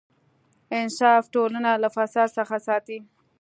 انصاف ټولنه له فساد څخه ساتي.